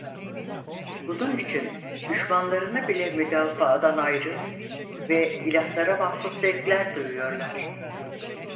Bunun için düşmanlarını bile müdafaadan ayrı ve ilahlara mahsus zevkler duyuyorlar.